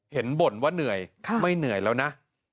บ่นว่าเหนื่อยไม่เหนื่อยแล้วนะ